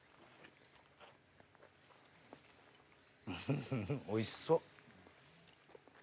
フフおいしそう！